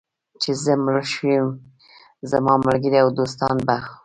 چې زه مړ شوی یم، زما ملګري او دوستان به.